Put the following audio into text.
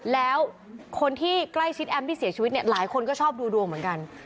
แล้วคนที่ใกล้ชิดแอมที่เสียชีวิตเนี่ยหลายคนก็ชอบดูดวงเหมือนกัน